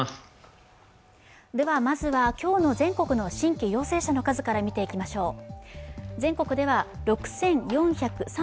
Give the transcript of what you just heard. まずは今日の全国の新規陽性者の数から見ていきましょう。